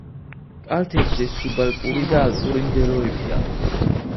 კალთებზე სუბალპური და ალპური მდელოებია.